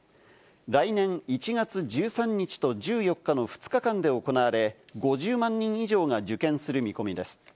来年１月１３日と１４日の２日間で行われ、５０万人以上が受験する見込みです。